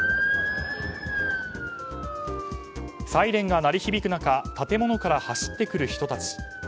サイレンが鳴り響く中建物から走ってくる人たち。